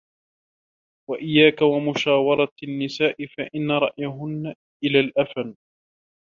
وَإِيَّاكَ وَمُشَاوَرَةَ النِّسَاءِ فَإِنَّ رَأْيَهُنَّ إلَى الْأَفْنِ